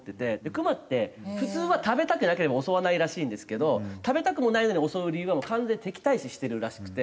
クマって普通は食べたくなければ襲わないらしいんですけど食べたくもないのに襲う理由は完全に敵対視してるらしくて。